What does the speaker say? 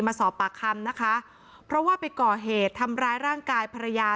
มาสอบปากคำนะคะเพราะว่าไปก่อเหตุทำร้ายร่างกายภรรยา